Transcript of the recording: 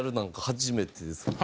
初めてですね。